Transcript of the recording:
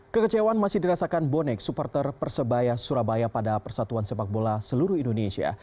kekecewaan masih dirasakan bonek supporter persebaya surabaya pada persatuan sepak bola seluruh indonesia